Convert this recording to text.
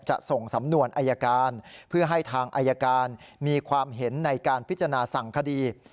จะส่งสำนวนอายการเพื่อให้ทางอายการมีความเห็นในการพิจารณาสั่งคดี